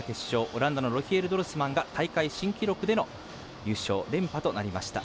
オランダのロヒエル・ドルスマンが大会新記録での優勝連覇となりました。